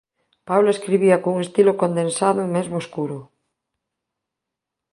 Paulo escribía cun estilo condensado e mesmo escuro.